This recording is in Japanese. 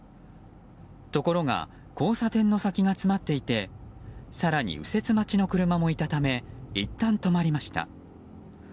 ところが交差点の先が詰まっていて更に右折待ちの車もいたためいったん止まりました。